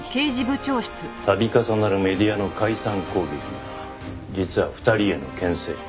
度重なるメディアの甲斐さん攻撃が実は２人への牽制。